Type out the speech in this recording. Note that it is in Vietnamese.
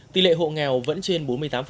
tỷ lệ hộ nghèo vẫn trên bốn mươi tám